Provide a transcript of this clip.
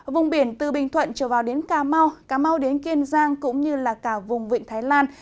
vùng biển từ bình thuận trở vào đến cà mau cà mau đến kiên giang cũng như là cả vùng vịnh thái lan